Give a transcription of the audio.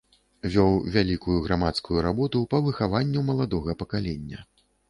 Вёў вялікую грамадскую работу па выхаванню маладога пакалення.